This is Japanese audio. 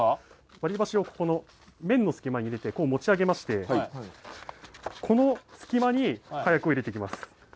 割り箸をここの麺の隙間に入れてこう持ち上げましてこの隙間にカヤクを入れていきます。